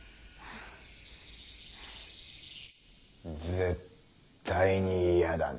絶対に嫌だね。